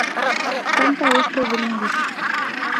Canta este brindis.